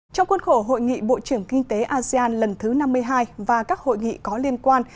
trong khuôn khổ hội nghị bộ trưởng kinh tế asean lần thứ năm mươi hai và các hội nghị có liên quan